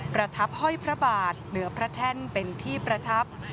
ประทับห้อยพระบาทเหนือพระแท่นเป็นที่ประทับ